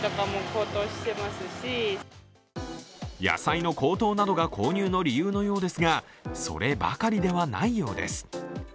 野菜の高騰などが購入の理由のようですが、そればかりではないようです。